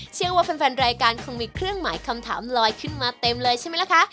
เชื่อว่าแฟนรายการคงมีเครื่องหมายคำถามลอยขึ้นมาเต็มเลยใช่ไหมล่ะคะ